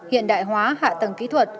hiện đại hóa hạ tầng kỹ thuật